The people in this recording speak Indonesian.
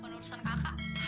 kalau urusan kakak